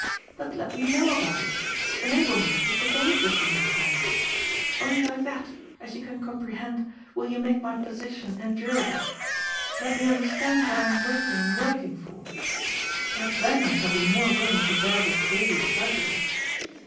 But let me know about it. Enable me to take an interest in your plans. Only like that, as you can comprehend, will you make my position endurable. Let me understand what I am waiting and working for. Perhaps TWO RIGHTS AND NO WRONG. 297 then I shall be more willing to bear this daily drudgery.